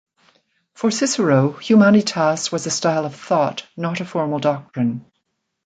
For Cicero, "humanitas" was a style of thought, not a formal doctrine.